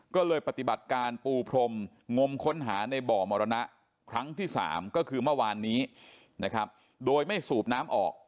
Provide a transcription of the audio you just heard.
ก็เลยปฏิบัติการปูพรมงมค้นหาในบ่อมรณะครั้งที่๓ก็คือเมื่อวานนี้นะครับโดยไม่สูบน้ำออก